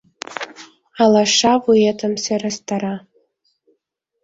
Алаша вуетым сӧрастара